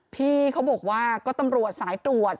พี่เขาบอกว่าก็ตำรวจสายตรวจ